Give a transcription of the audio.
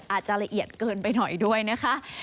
อาจจะละเอียดเกินไปหน่อยด้วยนะคะ